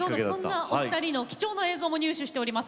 そんなお二人の貴重な映像も入手しております。